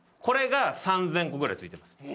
これが３０００個ぐらい付いてます。